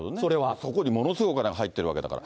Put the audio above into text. そこにものすごいお金が入ってるわけだから。